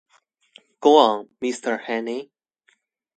Go on, Mr Hannay.